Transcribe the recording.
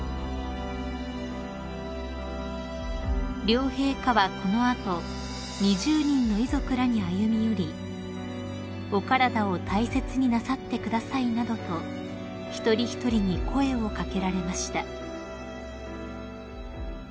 ［両陛下はこの後２０人の遺族らに歩み寄り「お体を大切になさってください」などと一人一人に声を掛けられました］